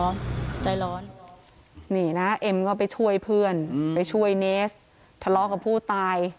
ใจร้อนนี่นะเอ็มก็ไปช่วยเพื่อนไปช่วยเนสทะเลาะกับผู้ตาย